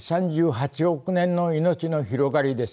３８億年の命の広がりです。